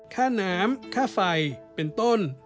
ค่าน้ำค่าไฟเป็นต้น